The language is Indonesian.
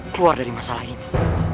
keluar dari masalah ini